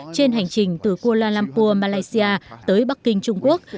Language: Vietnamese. trên hành trình từ kuala lumpur malaysia tới bắc kinh trung quốc